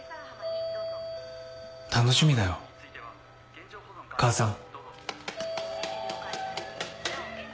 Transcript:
楽しみだよ母さん。